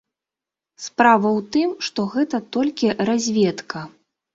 Справа ў тым, што гэта толькі разведка.